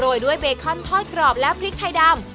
โดยด้วยเบคอนทอดกรอบและพริกไทยดำ